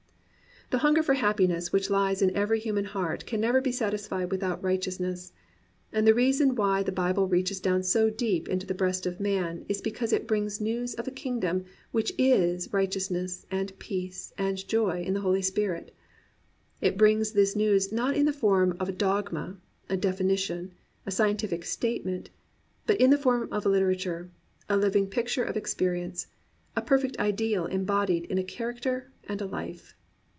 The hunger for happiness which lies in every human heart can never be satisfied without right eousness; and the reason why the Bible reaches down so deep into the breast of man is because it brings news of a kingdom which is righteousness and peace and joy in the Holy Spirit. It brings this news not in the form of a dogma, a definition, a scientific statement, but in the form of Uterature, a Hving picture of experience, a perfect ideal embodied in a Character and a Life.